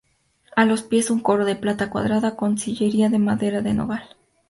A los pies un coro de planta cuadrada, con sillería de madera de nogal.